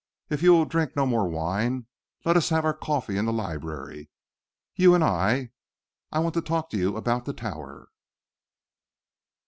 If you will drink no more wine, let us have our coffee in the library, you and I. I want to talk to you about the Tower."